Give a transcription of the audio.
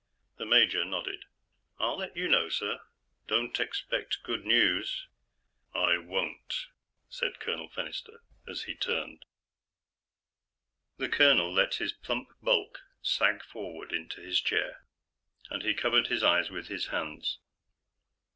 The major nodded. "I'll let you know, sir. Don't expect good news." "I won't," said Colonel Fennister, as he turned. The colonel let his plump bulk sag forward in his chair, and he covered his hands with his eyes.